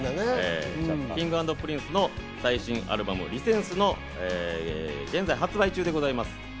Ｋｉｎｇ＆Ｐｒｉｎｃｅの最新アルバム『Ｒｅ：Ｓｅｎｓｅ』は現在発売中でございます。